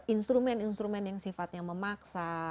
instrumen instrumen yang sifatnya memaksa